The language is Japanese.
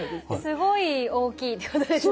すごい大きいってことですね。